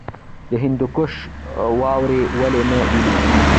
د هندوکش واورې ولې نه ویلی کیږي؟